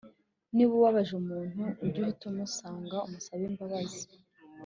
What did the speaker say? niba ubabaje umuntu ujye uhita umusanga umusabe imbabazi